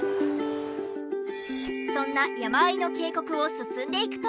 そんな山あいの渓谷を進んでいくと。